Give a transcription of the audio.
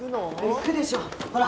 行くでしょほら。